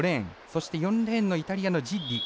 そして４レーンのイタリアのジッリ。